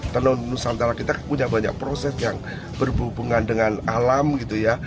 tenun nusantara kita punya banyak proses yang berhubungan dengan alam gitu ya